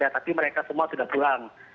tapi mereka semua sudah pulang